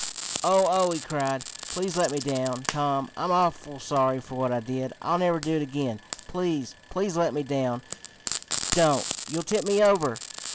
"Oh! oh!" he cried. "Please let me down, Tom. I'm awful sorry for what I did! I'll never do it again! Please, please let me down! Don't! You'll tip me over!"